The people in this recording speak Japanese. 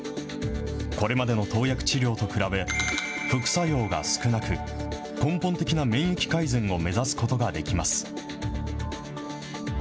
これまでの投薬治療と比べ、副作用が少なく、根本的な免疫改善を目指すことができます。